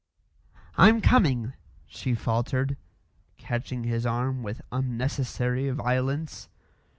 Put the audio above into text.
"I'm coming," she faltered, catching his arm with unnecessary violence.